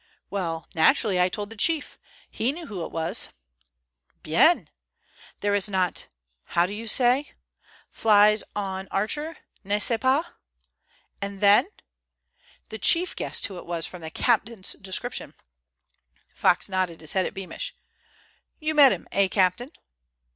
"Well, naturally I told the chief. He knew who it was." "Bien! There is not—how do you say?—flies on Archer, n'est ce pas? And then?" "The chief guessed who it was from the captain's description." Fox nodded his head at Beamish. "You met him, eh, captain?"